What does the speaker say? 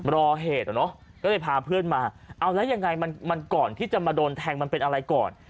รอเหตุอ่ะเนอะก็เลยพาเพื่อนมาเอาแล้วยังไงมันก่อนที่จะมาโดนแทงมันเป็นอะไรก่อน